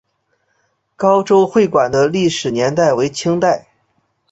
高州会馆的历史年代为清代。